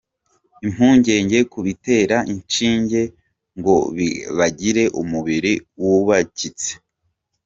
Impungenge ku bitera inshinge ngo bagire umubiri wubakitse.